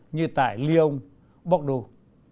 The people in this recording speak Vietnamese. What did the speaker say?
như tại lyon bordeaux